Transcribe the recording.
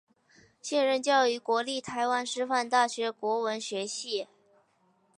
现任教于国立台湾师范大学国文学系。